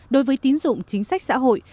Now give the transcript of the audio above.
đối với tín dụng chính sách xã hội